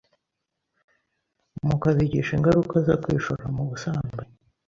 mukabigisha ingaruka zo kwishora mubusambanyi